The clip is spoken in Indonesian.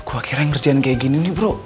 gue kira ngerjain kayak gini nih bro